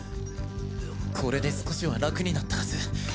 これで少しは楽になったはず。